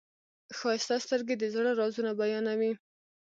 ښایسته سترګې د زړه رازونه بیانوي.